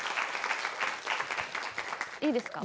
いいですか？